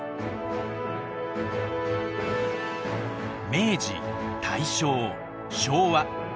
明治大正昭和。